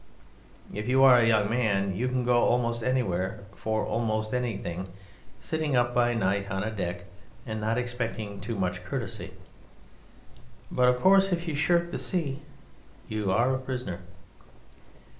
If you are a young man you can go almost anywhere for almost anything, sitting up by night on deck, and not expecting too much courtesy. But, of course, if you shirk the sea you are a prisoner.